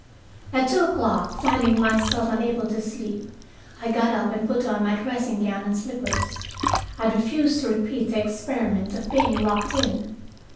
At two o'clock, finding myself unable to sleep, I got up and put on my dressing gown and slippers. I had refused to repeat the experiment of being locked in.